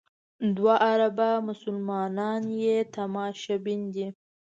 دوه اربه مسلمانان یې تماشبین دي.